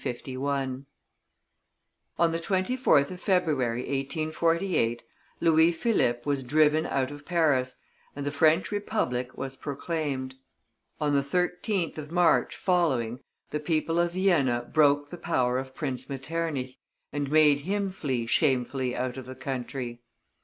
On the 24th of February, 1848, Louis Philippe was driven out of Paris, and the French Republic was proclaimed. On the 13th of March following, the people of Vienna broke the power of Prince Metternich, and made him flee shamefully out of the country.